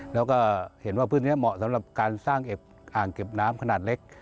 แล้วก็เห็นว่าพื้นนี้เหมาะสำหรับการสร้างเก็บอ่างเก็บน้ำขนาดเล็ก